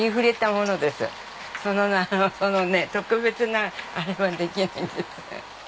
特別なあれはできないんです。